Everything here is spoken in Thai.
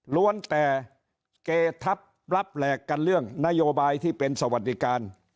แต่เกทัพรับแหลกกันเรื่องนโยบายที่เป็นสวัสดิการ